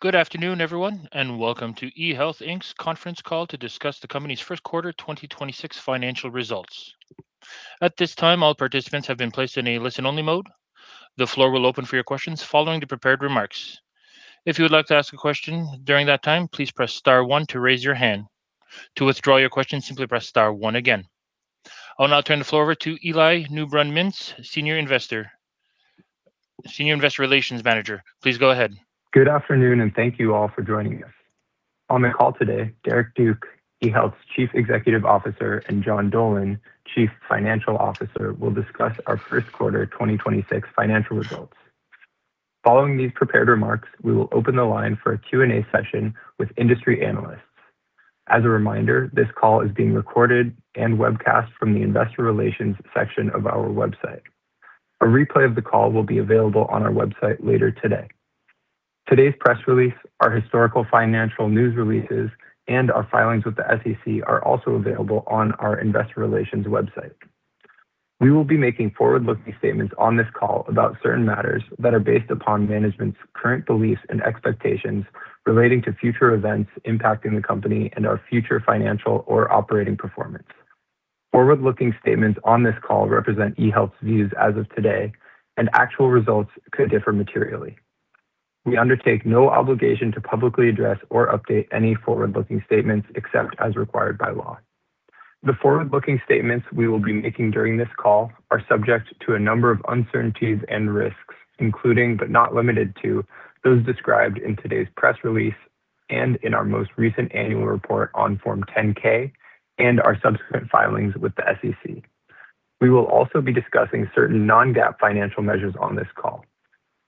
Good afternoon, everyone, and welcome to eHealth, Inc.'s conference call to discuss the company's first quarter 2026 financial results. At this time, all participants have been placed in a listen-only mode. The floor will open for your questions following the prepared remarks. If you would like to ask a question during that time, please press star one to raise your hand. To withdraw your question, simply press star one again. I'll now turn the floor over to Eli Newbrun-Mintz, Senior Investor, Senior Investor Relations Manager. Please go ahead. Good afternoon, and thank you all for joining us. On the call today, Derrick Duke, eHealth's Chief Executive Officer, and John Dolan, Chief Financial Officer, will discuss our first quarter 2026 financial results. Following these prepared remarks, we will open the line for a Q&A session with industry analysts. As a reminder, this call is being recorded and webcast from the investor relations section of our website. A replay of the call will be available on our website later today. Today's press release, our historical financial news releases, and our filings with the SEC are also available on our investor relations website. We will be making forward-looking statements on this call about certain matters that are based upon management's current beliefs and expectations relating to future events impacting the company and our future financial or operating performance. Forward-looking statements on this call represent eHealth's views as of today, and actual results could differ materially. We undertake no obligation to publicly address or update any forward-looking statements except as required by law. The forward-looking statements we will be making during this call are subject to a number of uncertainties and risks, including but not limited to those described in today's press release and in our most recent annual report on Form 10-K and our subsequent filings with the SEC. We will also be discussing certain non-GAAP financial measures on this call.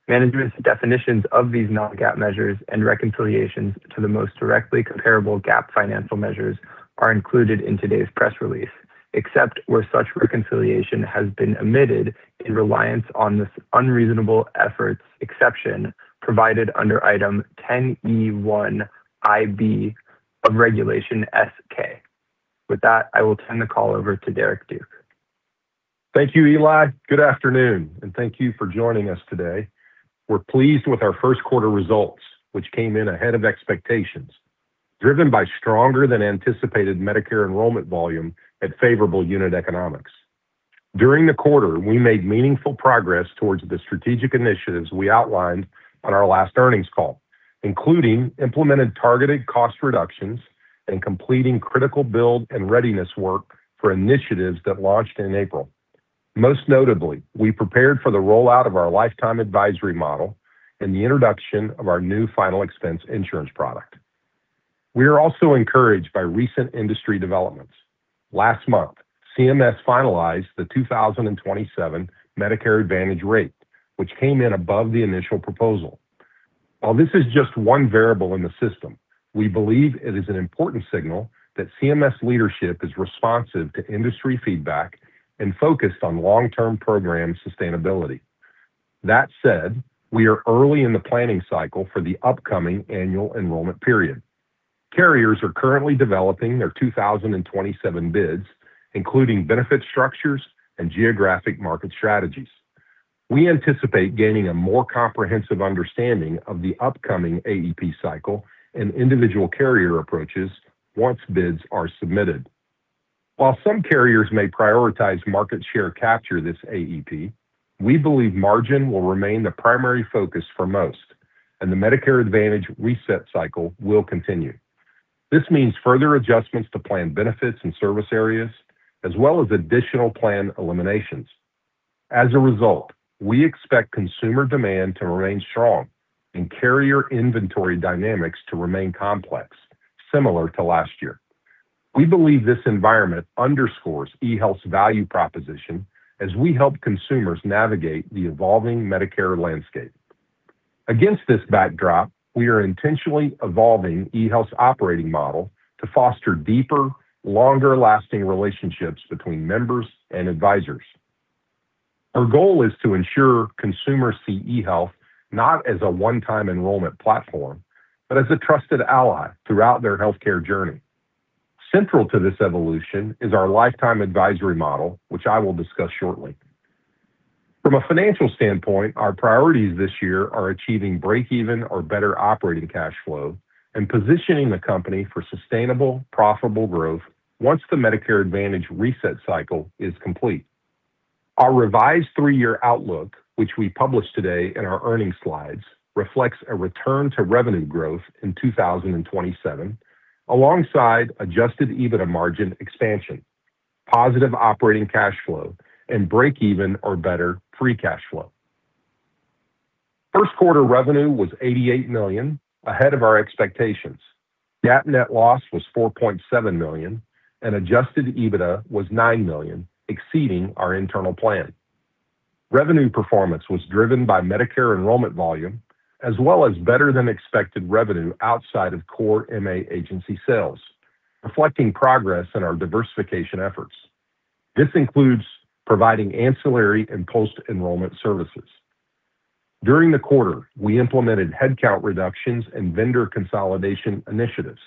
Management's definitions of these non-GAAP measures and reconciliations to the most directly comparable GAAP financial measures are included in today's press release, except where such reconciliation has been omitted in reliance on this unreasonable efforts exception provided under Item 10(e)(1)(i)(B) of Regulation S-K. With that, I will turn the call over to Derrick Duke. Thank you, Eli. Good afternoon, thank you for joining us today. We're pleased with our first quarter results, which came in ahead of expectations, driven by stronger than anticipated Medicare enrollment volume and favorable unit economics. During the quarter, we made meaningful progress towards the strategic initiatives we outlined on our last earnings call, including implemented targeted cost reductions and completing critical build and readiness work for initiatives that launched in April. Most notably, we prepared for the rollout of our lifetime advisory model and the introduction of our new final expense insurance product. We are also encouraged by recent industry developments. Last month, CMS finalized the 2027 Medicare Advantage rate, which came in above the initial proposal. While this is just one variable in the system, we believe it is an important signal that CMS leadership is responsive to industry feedback and focused on long-term program sustainability. That said, we are early in the planning cycle for the upcoming annual enrollment period. Carriers are currently developing their 2027 bids, including benefit structures and geographic market strategies. We anticipate gaining a more comprehensive understanding of the upcoming AEP cycle and individual carrier approaches once bids are submitted. While some carriers may prioritize market share capture this AEP, we believe margin will remain the primary focus for most, and the Medicare Advantage reset cycle will continue. This means further adjustments to plan benefits and service areas, as well as additional plan eliminations. As a result, we expect consumer demand to remain strong and carrier inventory dynamics to remain complex, similar to last year. We believe this environment underscores eHealth's value proposition as we help consumers navigate the evolving Medicare landscape. Against this backdrop, we are intentionally evolving eHealth's operating model to foster deeper, longer-lasting relationships between members and advisors. Our goal is to ensure consumers see eHealth not as a one-time enrollment platform, but as a trusted ally throughout their healthcare journey. Central to this evolution is our lifetime advisory model, which I will discuss shortly. From a financial standpoint, our priorities this year are achieving break-even or better operating cash flow and positioning the company for sustainable, profitable growth once the Medicare Advantage reset cycle is complete. Our revised three-year outlook, which we published today in our earnings slides, reflects a return to revenue growth in 2027, alongside adjusted EBITDA margin expansion, positive operating cash flow, and break-even or better free cash flow. First quarter revenue was $88 million, ahead of our expectations. GAAP net loss was $4.7 million, and adjusted EBITDA was $9 million, exceeding our internal plan. Revenue performance was driven by Medicare enrollment volume, as well as better than expected revenue outside of Core MA agency sales, reflecting progress in our diversification efforts. This includes providing ancillary and post-enrollment services. During the quarter, we implemented headcount reductions and vendor consolidation initiatives.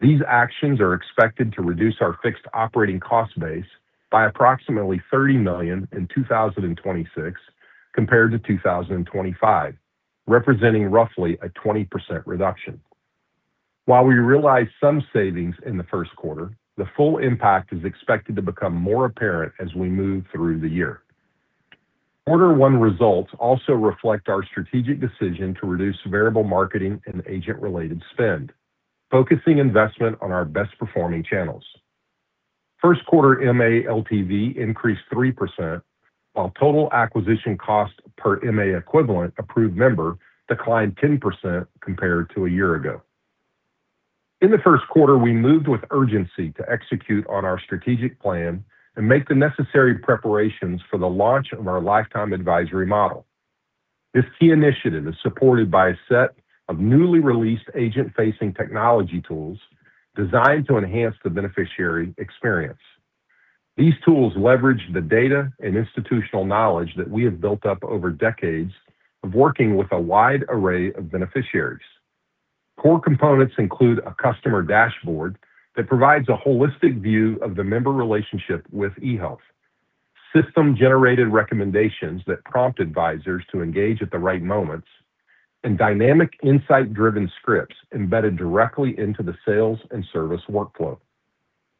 These actions are expected to reduce our fixed operating cost base by approximately $30 million in 2026 compared to 2025, representing roughly a 20% reduction. While we realize some savings in the first quarter, the full impact is expected to become more apparent as we move through the year. Q1 results also reflect our strategic decision to reduce variable marketing and agent-related spend, focusing investment on our best-performing channels. First quarter MA LTV increased 3%, while total acquisition cost per MA equivalent approved member declined 10% compared to a year ago. In the first quarter, we moved with urgency to execute on our strategic plan and make the necessary preparations for the launch of our lifetime advisory model. This key initiative is supported by a set of newly released agent-facing technology tools designed to enhance the beneficiary experience. These tools leverage the data and institutional knowledge that we have built up over decades of working with a wide array of beneficiaries. Core components include a customer dashboard that provides a holistic view of the member relationship with eHealth, system-generated recommendations that prompt advisors to engage at the right moments, and dynamic insight-driven scripts embedded directly into the sales and service workflow.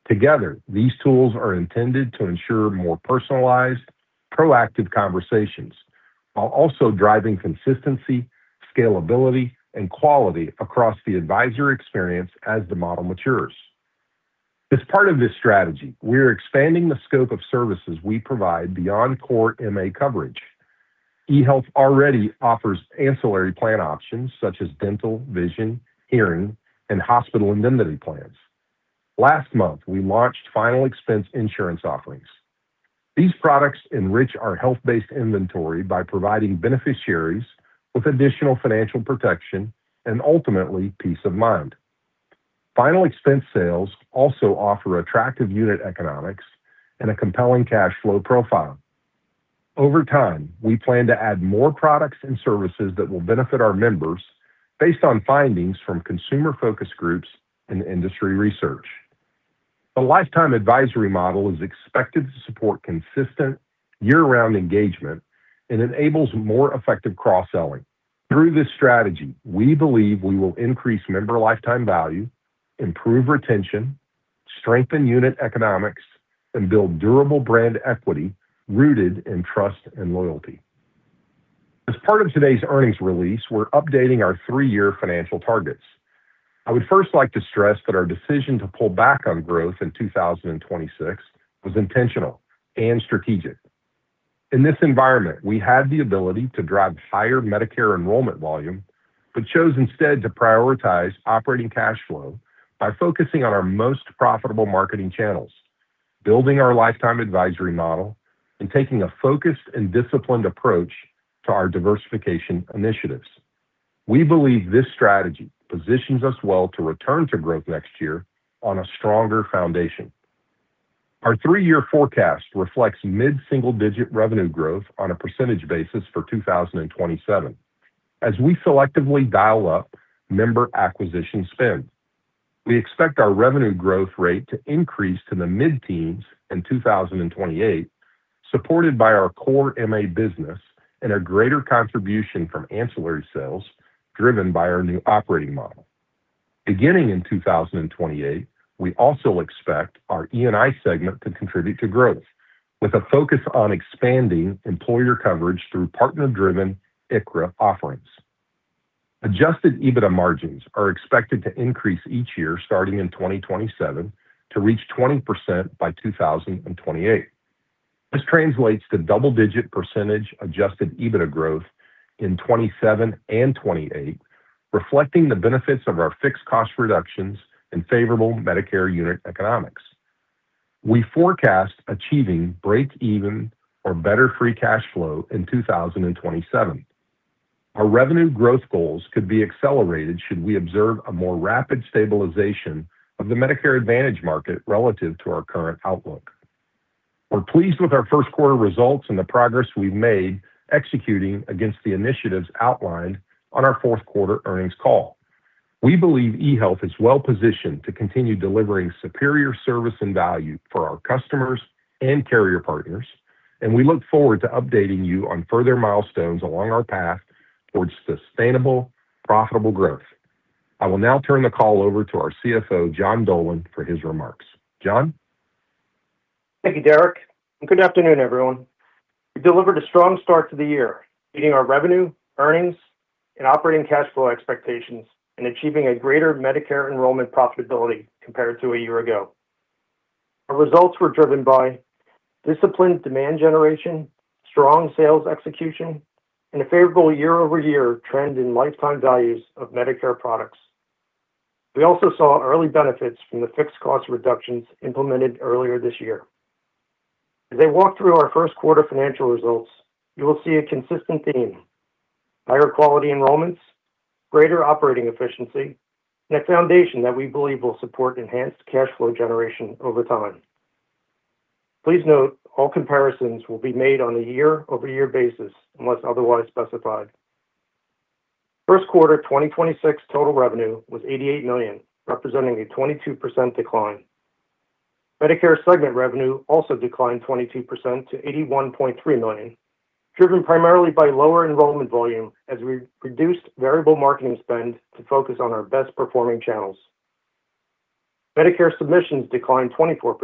Together, these tools are intended to ensure more personalized, proactive conversations while also driving consistency, scalability, and quality across the advisor experience as the model matures. As part of this strategy, we're expanding the scope of services we provide beyond core MA coverage, eHealth already offers ancillary plan options such as dental, vision, hearing, and hospital indemnity plans. Last month, we launched final expense insurance offerings. These products enrich our health-based inventory by providing beneficiaries with additional financial protection and ultimately peace of mind. Final expense sales also offer attractive unit economics and a compelling cash flow profile. Over time, we plan to add more products and services that will benefit our members based on findings from consumer focus groups and industry research. The lifetime advisory model is expected to support consistent year-round engagement and enables more effective cross-selling. Through this strategy, we believe we will increase member lifetime value, improve retention, strengthen unit economics, and build durable brand equity rooted in trust and loyalty. As part of today's earnings release, we're updating our three-year financial targets. I would first like to stress that our decision to pull back on growth in 2026 was intentional and strategic. In this environment, we had the ability to drive higher Medicare enrollment volume, chose instead to prioritize operating cash flow by focusing on our most profitable marketing channels, building our lifetime advisory model, and taking a focused and disciplined approach to our diversification initiatives. We believe this strategy positions us well to return to growth next year on a stronger foundation. Our three-year forecast reflects mid-single-digit revenue growth on a percentage basis for 2027 as we selectively dial up member acquisition spend. We expect our revenue growth rate to increase to the mid-teens in 2028, supported by our core MA business and a greater contribution from ancillary sales driven by our new operating model. Beginning in 2028, we also expect our E&I segment to contribute to growth, with a focus on expanding employer coverage through partner-driven ICHRA offerings. Adjusted EBITDA margins are expected to increase each year starting in 2027 to reach 20% by 2028. This translates to double-digit percentage adjusted EBITDA growth in 2027 and 2028, reflecting the benefits of our fixed cost reductions and favorable Medicare unit economics. We forecast achieving break-even or better free cash flow in 2027. Our revenue growth goals could be accelerated should we observe a more rapid stabilization of the Medicare Advantage market relative to our current outlook. We're pleased with our first quarter results and the progress we've made executing against the initiatives outlined on our fourth quarter earnings call. We believe eHealth is well-positioned to continue delivering superior service and value for our customers and carrier partners, and we look forward to updating you on further milestones along our path towards sustainable, profitable growth. I will now turn the call over to our CFO, John Dolan, for his remarks. John? Thank you, Derrick, and good afternoon, everyone. We delivered a strong start to the year, beating our revenue, earnings, and operating cash flow expectations and achieving a greater Medicare enrollment profitability compared to a year ago. Our results were driven by disciplined demand generation, strong sales execution, and a favorable year-over-year trend in lifetime values of Medicare products. We also saw early benefits from the fixed cost reductions implemented earlier this year. As I walk through our first quarter financial results, you will see a consistent theme, higher quality enrollments, greater operating efficiency, and a foundation that we believe will support enhanced cash flow generation over time. Please note all comparisons will be made on a year-over-year basis unless otherwise specified. First quarter 2026 total revenue was $88 million, representing a 22% decline. Medicare segment revenue also declined 22% to $81.3 million, driven primarily by lower enrollment volume as we reduced variable marketing spend to focus on our best performing channels. Medicare submissions declined 24%,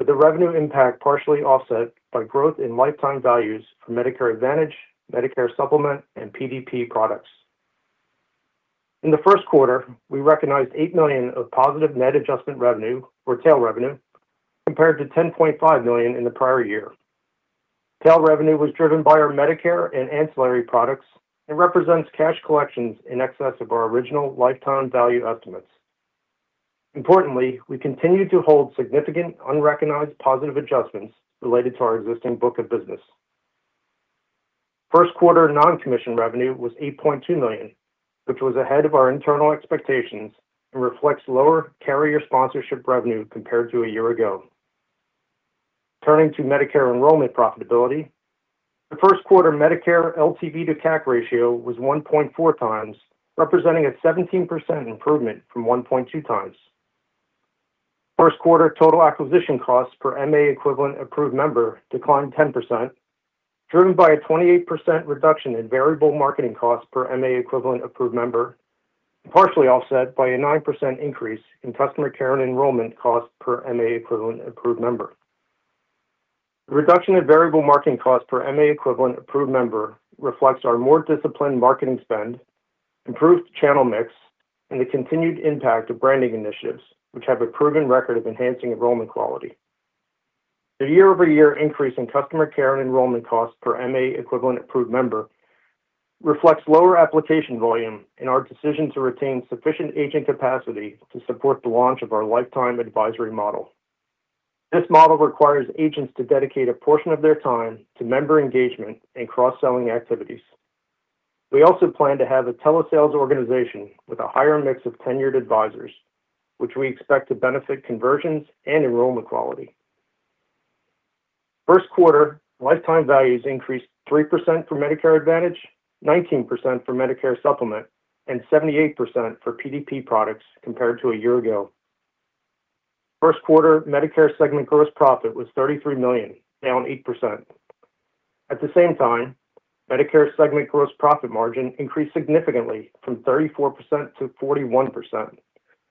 with the revenue impact partially offset by growth in lifetime values for Medicare Advantage, Medicare Supplement, and PDP products. In the first quarter, we recognized $8 million of positive net adjustment revenue, or tail revenue, compared to $10.5 million in the prior year. Tail revenue was driven by our Medicare and ancillary products and represents cash collections in excess of our original lifetime value estimates. Importantly, we continue to hold significant unrecognized positive adjustments related to our existing book of business. First quarter non-commission revenue was $8.2 million, which was ahead of our internal expectations and reflects lower carrier sponsorship revenue compared to a year ago. Turning to Medicare enrollment profitability, the first quarter Medicare LTV to CAC ratio was 1.4x, representing a 17% improvement from 1.2x. First quarter total acquisition costs per MA equivalent approved member declined 10%, driven by a 28% reduction in variable marketing costs per MA equivalent approved member, partially offset by a 9% increase in customer care and enrollment costs per MA equivalent approved member. The reduction in variable marketing costs per MA equivalent approved member reflects our more disciplined marketing spend, improved channel mix, and the continued impact of branding initiatives, which have a proven record of enhancing enrollment quality. The year-over-year increase in customer care and enrollment costs per MA equivalent approved member reflects lower application volume and our decision to retain sufficient agent capacity to support the launch of our lifetime advisory model. This model requires agents to dedicate a portion of their time to member engagement and cross-selling activities. We also plan to have a telesales organization with a higher mix of tenured advisors, which we expect to benefit conversions and enrollment quality. First quarter lifetime values increased 3% for Medicare Advantage, 19% for Medicare Supplement, and 78% for PDP products compared to a year ago. First quarter Medicare segment gross profit was $33 million, down 8%. At the same time, Medicare segment gross profit margin increased significantly from 34%-41%,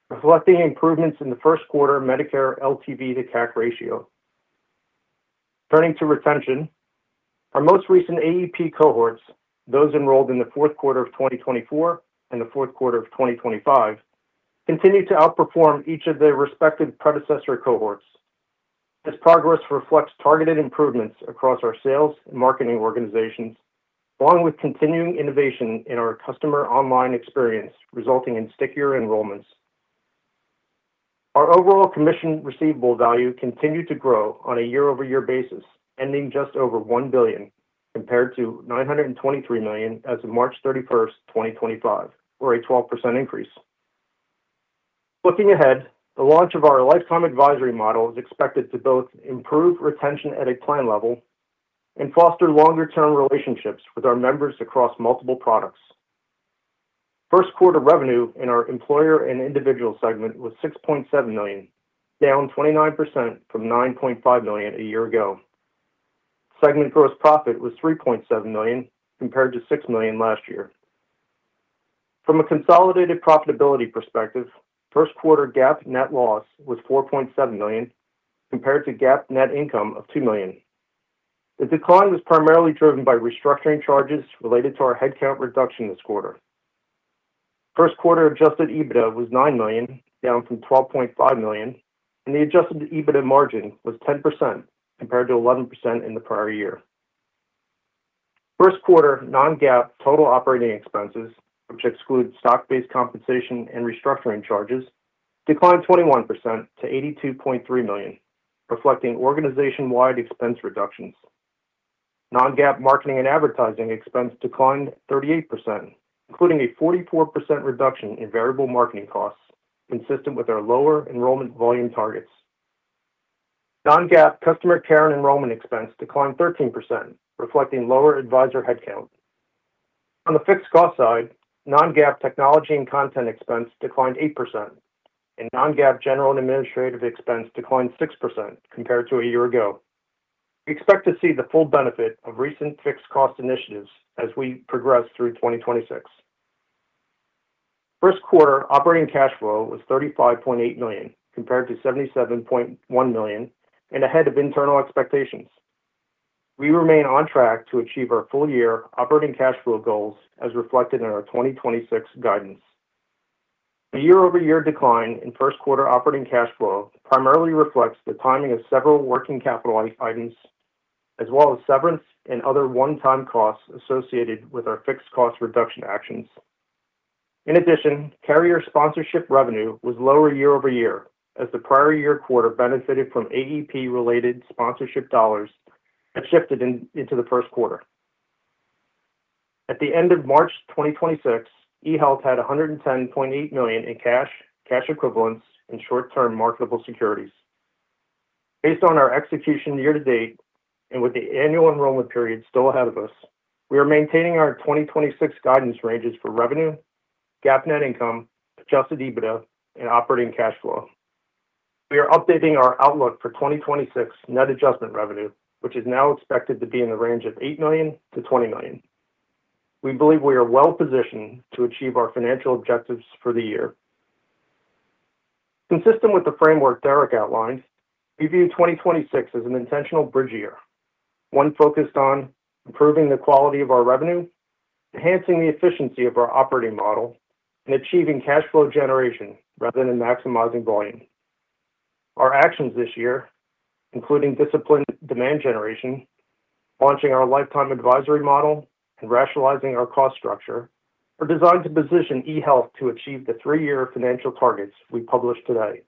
reflecting improvements in the first quarter Medicare LTV to CAC ratio. Turning to retention, our most recent AEP cohorts, those enrolled in the fourth quarter of 2024 and the fourth quarter of 2025, continue to outperform each of their respective predecessor cohorts. This progress reflects targeted improvements across our sales and marketing organizations, along with continuing innovation in our customer online experience resulting in stickier enrollments. Our overall commission receivable value continued to grow on a year-over-year basis, ending just over $1 billion compared to $923 million as of March 31st, 2025, or a 12% increase. Looking ahead, the launch of our lifetime advisory model is expected to both improve retention at a plan level and foster longer-term relationships with our members across multiple products. First quarter revenue in our Employer and Individual segment was $6.7 million, down 29% from $9.5 million a year ago. Segment gross profit was $3.7 million compared to $6 million last year. From a consolidated profitability perspective, first quarter GAAP net loss was $4.7 million compared to GAAP net income of $2 million. The decline was primarily driven by restructuring charges related to our headcount reduction this quarter. First quarter adjusted EBITDA was $9 million, down from $12.5 million, and the adjusted EBITDA margin was 10% compared to 11% in the prior year. First quarter non-GAAP total operating expenses, which exclude stock-based compensation and restructuring charges, declined 21% to $82.3 million, reflecting organization-wide expense reductions. Non-GAAP marketing and advertising expense declined 38%, including a 44% reduction in variable marketing costs consistent with our lower enrollment volume targets. Non-GAAP customer care and enrollment expense declined 13%, reflecting lower advisor headcount. On the fixed cost side, non-GAAP technology and content expense declined 8%, and non-GAAP general and administrative expense declined 6% compared to a year ago. We expect to see the full benefit of recent fixed cost initiatives as we progress through 2026. First quarter operating cash flow was $35.8 million compared to $77.1 million and ahead of internal expectations. We remain on track to achieve our full-year operating cash flow goals as reflected in our 2026 guidance. The year-over-year decline in first quarter operating cash flow primarily reflects the timing of several working capital items as well as severance and other one-time costs associated with our fixed cost reduction actions. In addition, carrier sponsorship revenue was lower year-over-year as the prior year quarter benefited from AEP-related sponsorship dollars that shifted into the first quarter. At the end of March 2026, eHealth had $110.8 million in cash equivalents, and short-term marketable securities. Based on our execution year to date, with the annual enrollment period still ahead of us, we are maintaining our 2026 guidance ranges for revenue, GAAP net income, adjusted EBITDA, and operating cash flow. We are updating our outlook for 2026 net adjustment revenue, which is now expected to be in the range of $8 million-$20 million. We believe we are well-positioned to achieve our financial objectives for the year. Consistent with the framework Derrick outlined, we view 2026 as an intentional bridge year, one focused on improving the quality of our revenue, enhancing the efficiency of our operating model, and achieving cash flow generation rather than maximizing volume. Our actions this year, including disciplined demand generation, launching our lifetime advisory model, and rationalizing our cost structure, are designed to position eHealth to achieve the three-year financial targets we published today.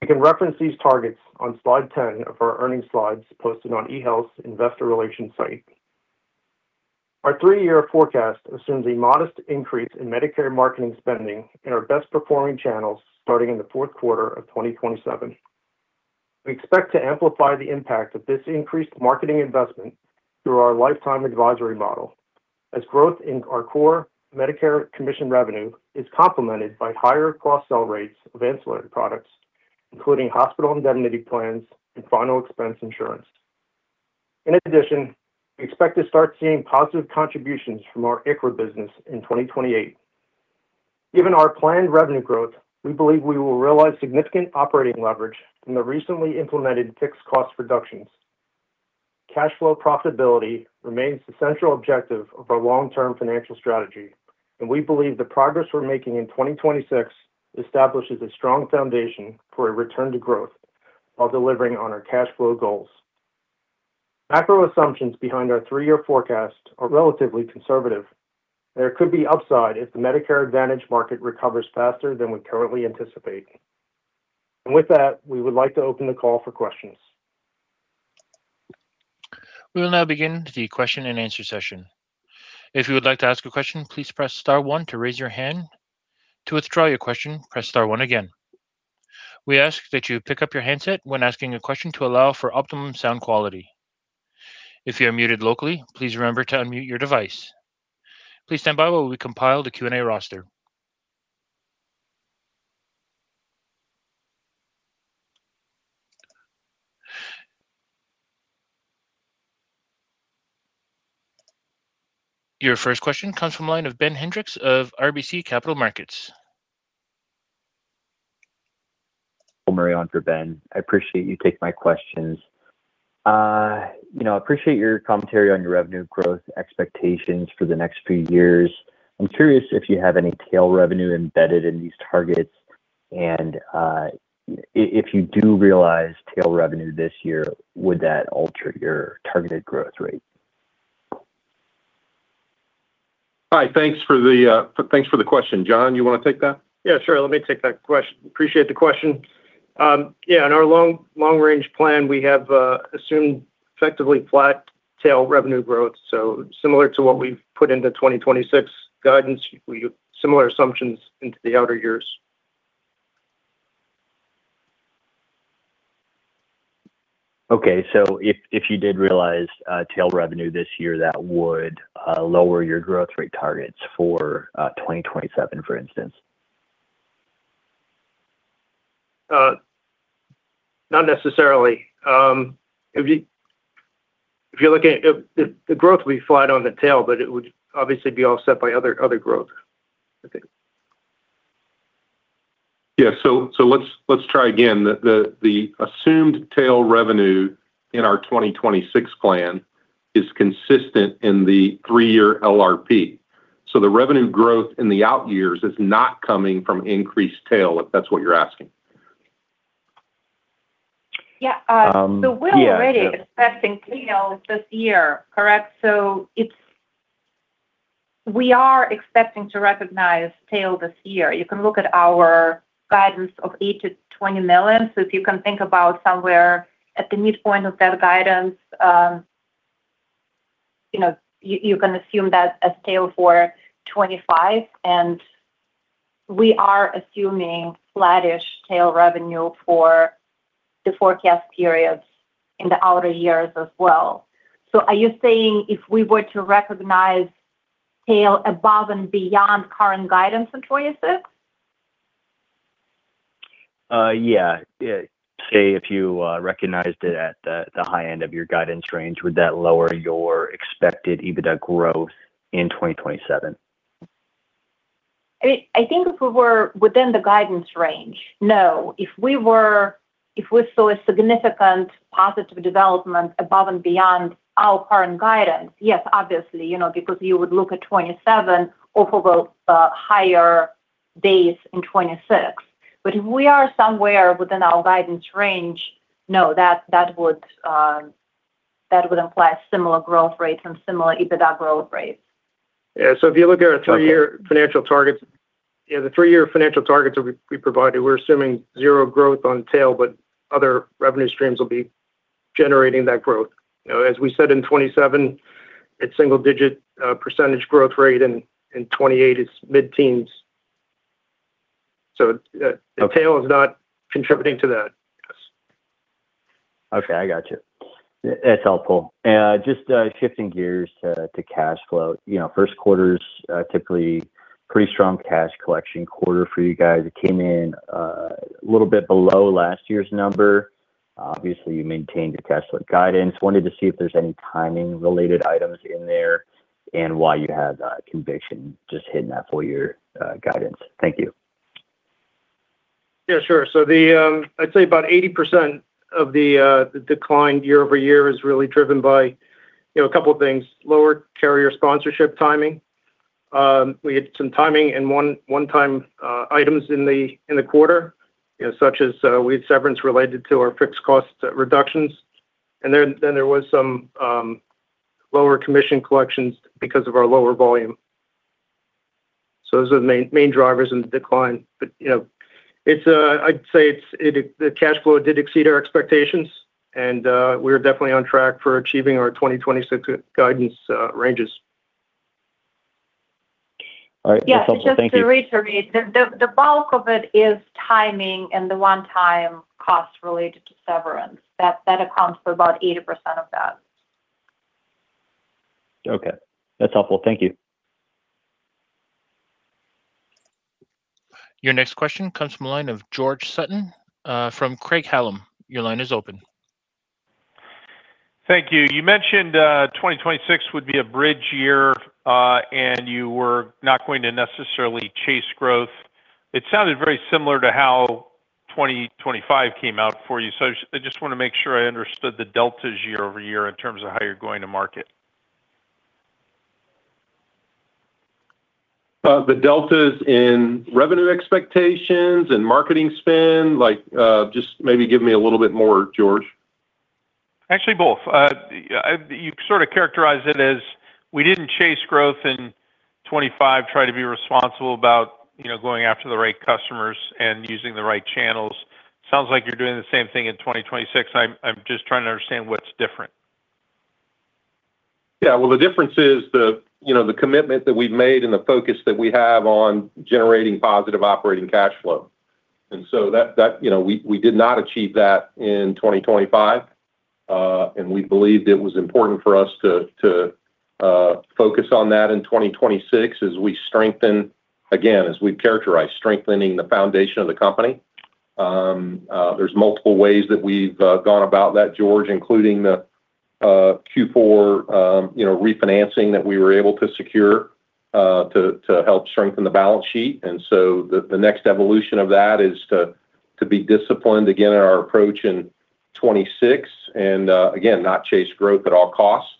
You can reference these targets on slide 10 of our earnings slides posted on eHealth's investor relations site. Our three-year forecast assumes a modest increase in Medicare marketing spending in our best performing channels starting in the fourth quarter of 2027. We expect to amplify the impact of this increased marketing investment through our lifetime advisory model, as growth in our core Medicare commission revenue is complemented by higher cross-sell rates of ancillary products, including hospital indemnity plans and final expense insurance. In addition, we expect to start seeing positive contributions from our ICHRA business in 2028. Given our planned revenue growth, we believe we will realize significant operating leverage from the recently implemented fixed cost reductions. Cash flow profitability remains the central objective of our long-term financial strategy, and we believe the progress we're making in 2026 establishes a strong foundation for a return to growth while delivering on our cash flow goals. Macro assumptions behind our 3-year forecast are relatively conservative. There could be upside if the Medicare Advantage market recovers faster than we currently anticipate. With that, we would like to open the call for questions. We will now begin the question and answer session. If you would like to ask a question, please press star one to raise your hand. To withdraw your question, press star one again. We ask that you pick up your handset when asking a question to allow for optimum sound quality. If you are muted locally, please remember to unmute your device. Please stand by while we compile the Q&A roster. Your first question comes from line of Ben Hendrix of RBC Capital Markets. Well, Marianne, for Ben. I appreciate you taking my questions. you know, appreciate your commentary on your revenue growth expectations for the next few years. I'm curious if you have any tail revenue embedded in these targets. If you do realize tail revenue this year, would that alter your targeted growth rate? Hi, thanks for the, thanks for the question. John, you wanna take that? Yeah, sure. Let me take that. Appreciate the question. Yeah, in our long range plan, we have assumed effectively flat tail revenue growth, so similar to what we've put into 2026 guidance, we similar assumptions into the outer years. Okay. If you did realize, tail revenue this year, that would lower your growth rate targets for 2027, for instance? Not necessarily. If you're looking at the growth will be flat on the tail, but it would obviously be offset by other growth, I think. Yeah. Let's try again. The assumed tail revenue in our 2026 plan is consistent in the three-year LRP. The revenue growth in the out years is not coming from increased tail, if that's what you're asking. Yeah. Yeah. We're already expecting tail this year, correct? We are expecting to recognize tail this year. You can look at our guidance of $8 million-$20 million. If you can think about somewhere at the midpoint of that guidance, you know, you can assume that as tail for 2025, and we are assuming flattish tail revenue for the forecast periods in the outer years as well. Are you saying if we were to recognize tail above and beyond current guidance in 2026? Yeah. Say if you recognized it at the high end of your guidance range, would that lower your expected EBITDA growth in 2027? I mean, I think if we were within the guidance range, no. If we saw a significant positive development above and beyond our current guidance, yes, obviously, you know, because you would look at 2027 over the higher base in 2026. If we are somewhere within our guidance range, no. That would imply similar growth rates and similar EBITDA growth rates. Yeah. if you look at our three-year- Okay financial targets, yeah, the three-year financial targets that we provided, we're assuming zero growth on tail, but other revenue streams will be generating that growth. You know, as we said in 2027, it's single-digit percentage growth rate. In 2028 it's mid-teens. Okay the tail is not contributing to that. Yes. Okay, I got you. That's helpful. Just shifting gears to cash flow. You know, first quarter's typically pretty strong cash collection quarter for you guys. It came in a little bit below last year's number. Obviously you maintained your cash flow guidance. Wanted to see if there's any timing related items in there, and why you have conviction just hitting that full year guidance. Thank you. Yeah, sure. I'd say about 80% of the decline year-over-year is really driven by, you know, a couple things. Lower carrier sponsorship timing. We had some timing and one time items in the quarter, you know, such as we had severance related to our fixed cost reductions. Then there was some lower commission collections because of our lower volume. Those are the main drivers in the decline. You know, I'd say the cash flow did exceed our expectations and we're definitely on track for achieving our 2026 guidance ranges. Yeah, just to reiterate, the, the bulk of it is timing and the one-time cost related to severance. That accounts for about 80% of that. Okay. That's helpful. Thank you. Your next question comes from the line of George Sutton, from Craig-Hallum. Your line is open. Thank you. You mentioned 2026 would be a bridge year, and you were not going to necessarily chase growth. It sounded very similar to how 2025 came out for you. I just wanna make sure I understood the deltas year-over-year in terms of how you're going to market. The deltas in revenue expectations and marketing spend? Like, just maybe give me a little bit more, George. Actually, both. You sort of characterize it as we didn't chase growth in 2025, Try to be responsible about, you know, going after the right customers and using the right channels. Sounds like you're doing the same thing in 2026. I'm just trying to understand what's different. Yeah. Well, the difference is the, you know, the commitment that we've made and the focus that we have on generating positive operating cash flow. That, you know, we did not achieve that in 2025. We believed it was important for us to focus on that in 2026 as we strengthen, again, as we characterize strengthening the foundation of the company. There's multiple ways that we've gone about that, George, including the Q4, you know, refinancing that we were able to secure to help strengthen the balance sheet. The next evolution of that is to be disciplined again in our approach in 2026 and, again, not chase growth at all costs.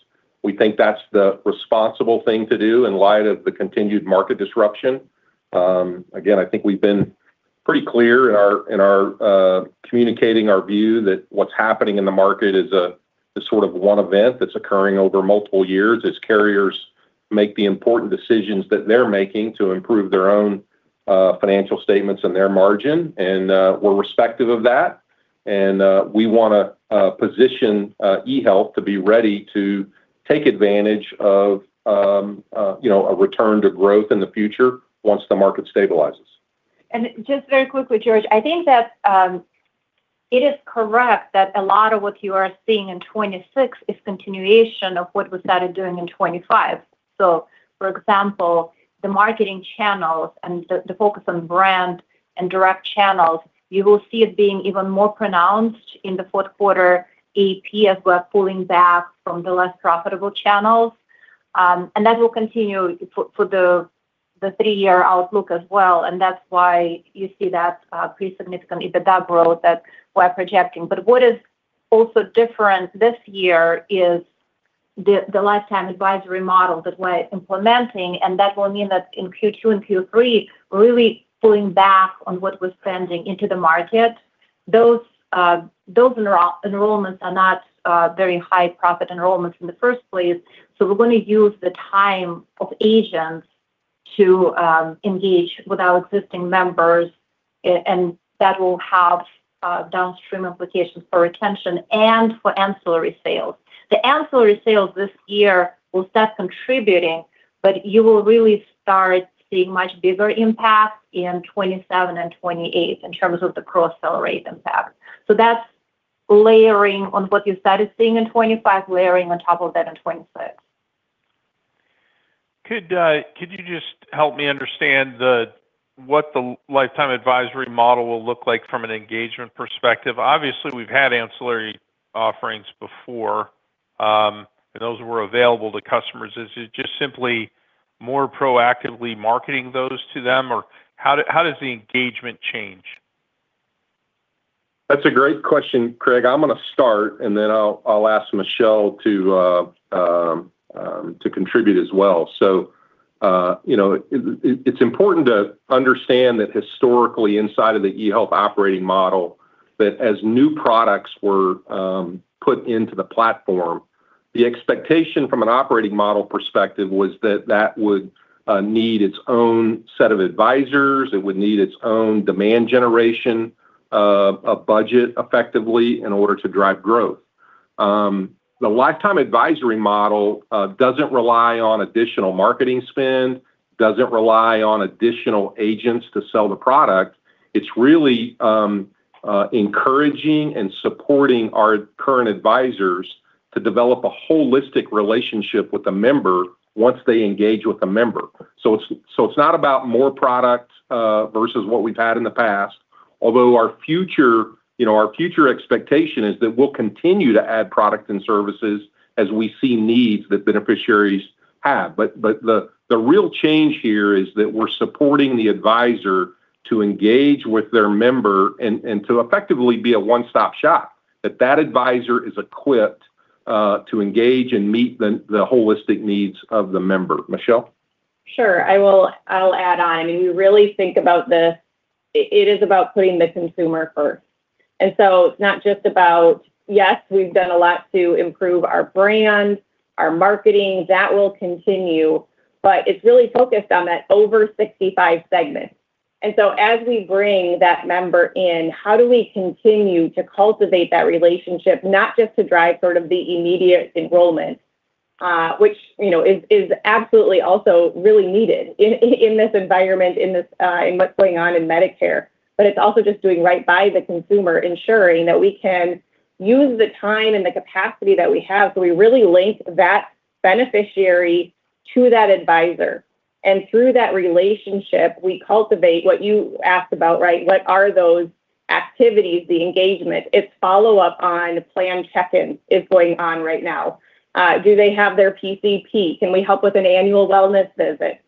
We think that's the responsible thing to do in light of the continued market disruption. Again, I think we've been pretty clear in our communicating our view that what's happening in the market is a, is sort of one event that's occurring over multiple years as carriers make the important decisions that they're making to improve their own financial statements and their margin, and we're respective of that. We wanna position eHealth to be ready to take advantage of, you know, a return to growth in the future once the market stabilizes. Just very quickly, George, I think that it is correct that a lot of what you are seeing in 2026 is continuation of what was started doing in 2025. For example, the marketing channels and the focus on brand and direct channels, you will see it being even more pronounced in the fourth quarter AEP as we're pulling back from the less profitable channels. That will continue for the three-year outlook as well, and that's why you see that pretty significant EBITDA growth that we're projecting. What is also different this year is the lifetime advisory model that we're implementing, and that will mean that in Q2 and Q3, really pulling back on what we're spending into the market. Those enrollments are not very high profit enrollments in the first place. We're gonna use the time of agents to engage with our existing members and that will have downstream applications for retention and for ancillary sales. The ancillary sales this year will start contributing, but you will really start seeing much bigger impact in 2027 and 2028 in terms of the cross-sell rate impact. That's layering on what you started seeing in 2025, layering on top of that in 2026. Could you just help me understand what the lifetime advisory model will look like from an engagement perspective? Obviously, we've had ancillary offerings before, and those were available to customers. Is it just simply more proactively marketing those to them, or how does the engagement change? That's a great question, George. I'm gonna start, and then I'll ask Michelle to contribute as well. You know, it's important to understand that historically inside of the eHealth operating model, that as new products were put into the platform. The expectation from an operating model perspective was that that would need its own set of advisors, it would need its own demand generation, a budget effectively in order to drive growth. The lifetime advisory model doesn't rely on additional marketing spend, doesn't rely on additional agents to sell the product. It's really encouraging and supporting our current advisors to develop a holistic relationship with the member once they engage with the member. It's not about more product versus what we've had in the past, although our future, you know, our future expectation is that we'll continue to add product and services as we see needs that beneficiaries have. The real change here is that we're supporting the advisor to engage with their member and to effectively be a one-stop shop, that that advisor is equipped to engage and meet the holistic needs of the member. Michelle? Sure. I'll add on. I mean, we really think about this. It is about putting the consumer first. It's not just about, yes, we've done a lot to improve our brand, our marketing, that will continue, but it's really focused on that over 65 segment. As we bring that member in, how do we continue to cultivate that relationship not just to drive sort of the immediate enrollment, which, you know, is absolutely also really needed in this environment, in this, in what's going on in Medicare. It's also just doing right by the consumer, ensuring that we can use the time and the capacity that we have, so we really link that beneficiary to that advisor. Through that relationship, we cultivate what you asked about, right? What are those activities, the engagement? It's follow-up on plan check-ins is going on right now. Do they have their PCP? Can we help with an annual wellness visit?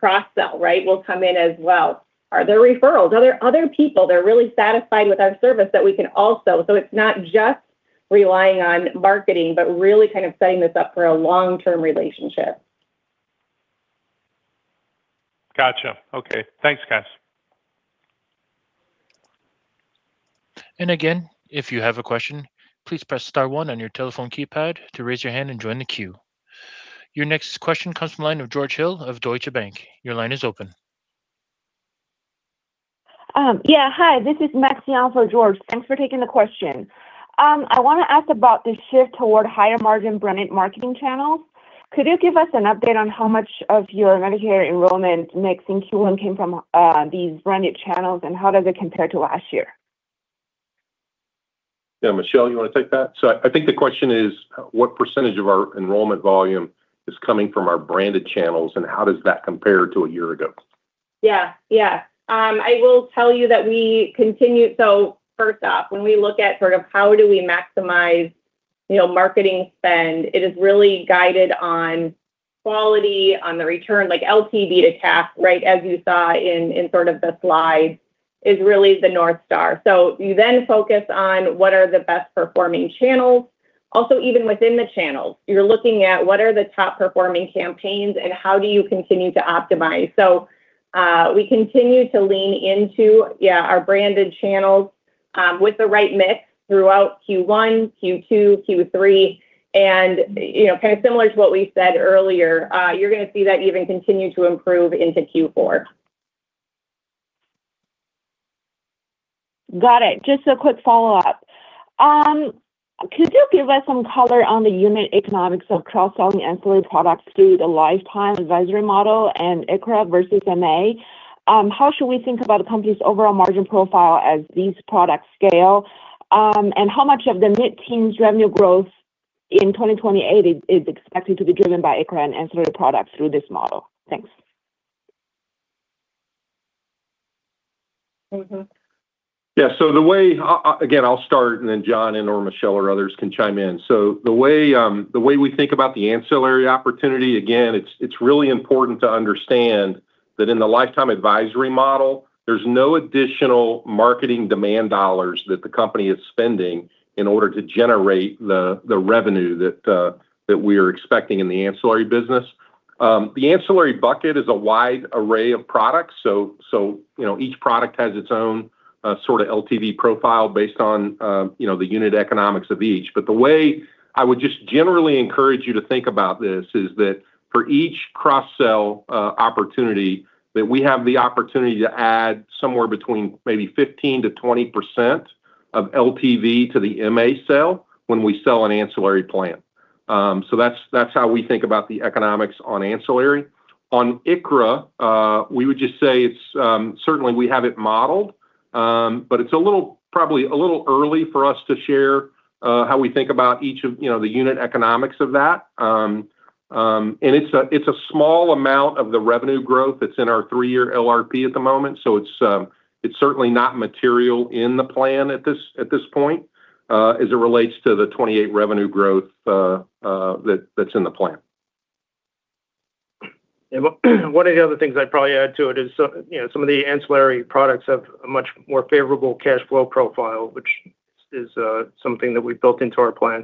Cross-sell, right, will come in as well. Are there referrals? Are there other people that are really satisfied with our service? It's not just relying on marketing, but really kind of setting this up for a long-term relationship. Gotcha. Okay. Thanks, guys. Again, if you have a question, please press star one on your telephone keypad to raise your hand and join the queue. Your next question comes from the line of George Hill of Deutsche Bank. Your line is open. Yeah. Hi, this is Maxine for George. Thanks for taking the question. I want to ask about the shift toward higher margin branded marketing channels. Could you give us an update on how much of your Medicare enrollment mix in Q1 came from these branded channels, and how does it compare to last year? Yeah. Michelle, you wanna take that? I think the question is, what % of our enrollment volume is coming from our branded channels, and how does that compare to a year ago? Yeah. Yeah. I will tell you that we continue first off, when we look at sort of how do we maximize, you know, marketing spend, it is really guided on quality, on the return. Like LTV to CAC, right, as you saw in sort of the slide, is really the North Star. You then focus on what are the best performing channels. Also, even within the channels, you're looking at what are the top performing campaigns and how do you continue to optimize. We continue to lean into, yeah, our branded channels, with the right mix throughout Q1, Q2, Q3. You know, kinda similar to what we said earlier, you're gonna see that even continue to improve into Q4. Got it. Just a quick follow-up. Could you give us some color on the unit economics of cross-selling ancillary products through the lifetime advisory model and ICHRA versus MA? How should we think about the company's overall margin profile as these products scale? How much of the mid-teens' revenue growth in 2028 is expected to be driven by ICHRA and ancillary products through this model? Thanks. Yeah. The way again, I'll start, and then John and/or Michelle or others can chime in. The way, the way we think about the ancillary opportunity, again, it's really important to understand that in the lifetime advisory model, there's no additional marketing demand dollars that the company is spending in order to generate the revenue that we are expecting in the ancillary business. The ancillary bucket is a wide array of products. You know, each product has its own, sorta LTV profile based on, you know, the unit economics of each. The way I would just generally encourage you to think about this is that for each cross-sell opportunity, that we have the opportunity to add somewhere between maybe 15%-20% of LTV to the MA sale when we sell an ancillary plan. That's how we think about the economics on ancillary. On ICHRA, we would just say it's certainly we have it modeled, but it's a little, probably a little early for us to share how we think about each of, you know, the unit economics of that. It's a small amount of the revenue growth that's in our three-year LRP at the moment, it's certainly not material in the plan at this point, as it relates to the 2028 revenue growth that's in the plan. One of the other things I'd probably add to it is, you know, some of the ancillary products have a much more favorable cash flow profile, which is something that we've built into our plan.